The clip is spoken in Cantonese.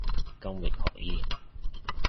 金域醫學